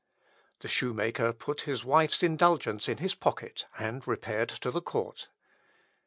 The shoemaker put his wife's indulgence in his pocket and repaired to the court.